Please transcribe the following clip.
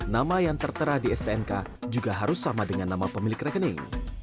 nama yang tertera di stnk juga harus sama dengan nama pemilik rekening